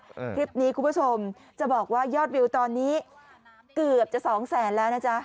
คลิปนี้คุณผู้ชมจะบอกว่ายอดวิวตอนนี้เกือบจะสองแสนแล้วนะจ๊ะ